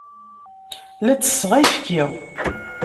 La ttesseɣ ayefki.